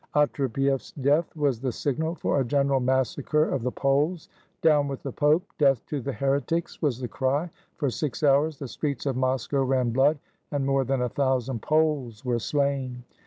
Otrepief 's death was the signal for a general massacre of the Poles. "Down with the Pope! death to the here tics!" was the cry. For six hours the streets of Moscow ran blood, and more than a thousand Poles were slain.